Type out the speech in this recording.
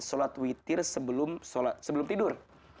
sholat witir sebelum tidur